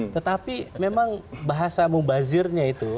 tetapi memang bahasa mubazirnya itu